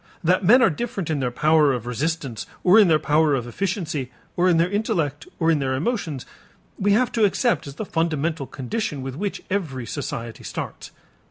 That men are different in their power of resistance or in their power of efficiency or in their intellect or in their emotions, we have to accept as the fundamental condition with which every society starts.